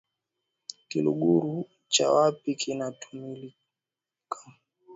Kiluguru cha wapi kinatumikaIkumbukwe kuwa kuja kwa Dini hasa Uislamu na Ukristo kumezifanya